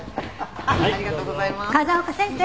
風丘先生！